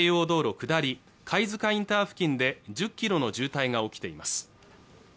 下り貝塚インター付近で１０キロの渋滞が起きています